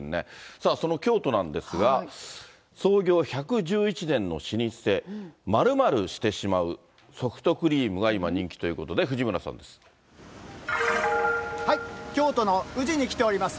さあ、その京都なんですが、創業１１１年の老舗、〇〇してしまうソフトクリームが今人気ということで、京都の宇治に来ております。